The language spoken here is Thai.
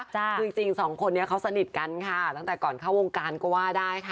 คือจริงสองคนนี้เขาสนิทกันค่ะตั้งแต่ก่อนเข้าวงการก็ว่าได้ค่ะ